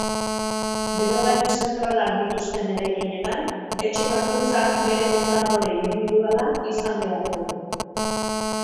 Berogailu zentralak dituzten eraikinetan etxe bakoitzak bere kontadore indibiduala izan beharko du.